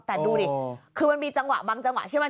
แต่ดูดิคือมันมีจังหวะบางจังหวะใช่ไหม